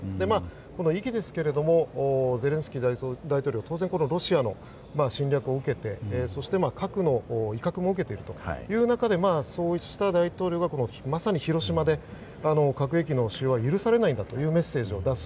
この意義ですがゼレンスキー大統領は当然、ロシアの侵略を受けてそして核の威嚇も受けているという中でそうした大統領が、まさに広島で核兵器の使用は許されないんだというメッセージを出す。